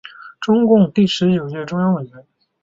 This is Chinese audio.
中共第十九届中央委员。